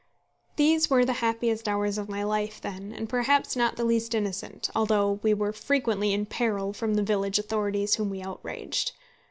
These were the happiest hours of my then life and perhaps not the least innocent, although we were frequently in peril from the village authorities whom we outraged.